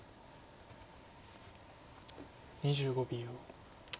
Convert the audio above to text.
２５秒。